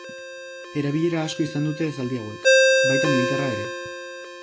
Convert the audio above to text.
Erabilera asko izan dute zaldi hauek, baita militarra ere.